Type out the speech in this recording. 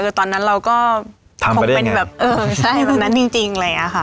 คือตอนนั้นเราก็ทำไปได้ยังไงแบบเออใช่แบบนั้นจริงแบบนี้ค่ะ